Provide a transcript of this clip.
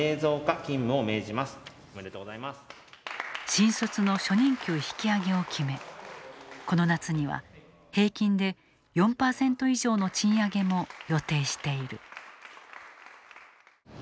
新卒の初任給引き上げを決めこの夏には平均で４％以上の賃上げも予定している。